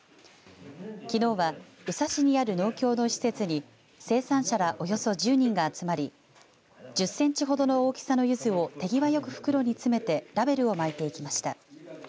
きのうは宇佐市にある農協の施設に生産者ら、およそ１０人が集まり１０センチほどの大きさのゆずを手際よく袋に詰めてラベルを巻いていきました。